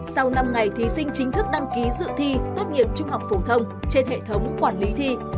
sau năm ngày thí sinh chính thức đăng ký dự thi tốt nghiệp trung học phổ thông trên hệ thống quản lý thi